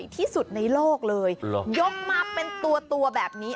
ที่สุดในโลกเลยยกมาเป็นตัวแบบนี้